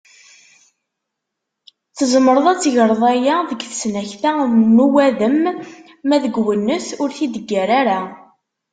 Tzemreḍ ad tegreḍ aya deg tesnakta n uwadem ma deg uwennet ur t-id-ggar ara.